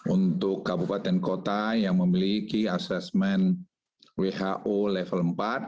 untuk kabupaten kota yang memiliki asesmen who level empat